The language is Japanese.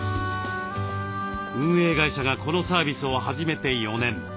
運営会社がこのサービスを始めて４年。